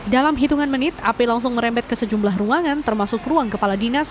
dalam hitungan menit api langsung merembet ke sejumlah ruangan termasuk ruang kepala dinas